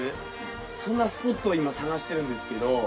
そんなスポットを今探してるんですけど。